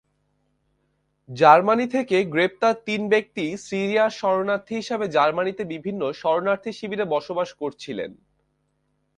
Germany থেকে গ্রেপ্তার তিন ব্যক্তিই সিরিয়ার শরণার্থী হিসেবে জার্মানিতে বিভিন্ন শরণার্থীশিবিরে বসবাস করছিলেন।